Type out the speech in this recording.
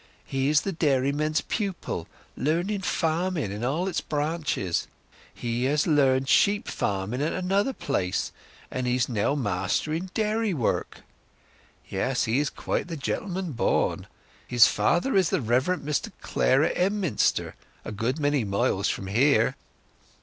He is the dairyman's pupil—learning farming in all its branches. He has learnt sheep farming at another place, and he's now mastering dairy work.... Yes, he is quite the gentleman born. His father is the Reverend Mr Clare at Emminster—a good many miles from here."